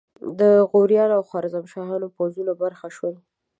د غوریانو او خوارزمشاهیانو پوځونو برخه شول.